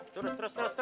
terus terus terus